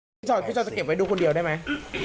พี่ชอบจะเก็บไว้ดูคนเดียวได้ไหม